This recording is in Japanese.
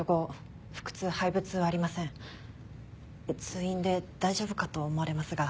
通院で大丈夫かと思われますが。